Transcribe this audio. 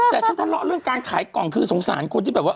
แต่ฉันทะเลาะเรื่องการขายกล่องคือสงสารคนที่แบบว่า